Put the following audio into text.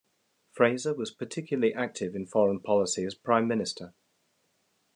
Fraser was particularly active in foreign policy as prime minister.